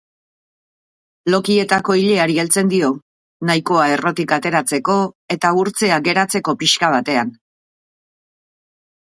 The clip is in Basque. Lokietako ileari heltzen dio, nahikoa errotik ateratzeko eta urtzea geratzeko pixka batean.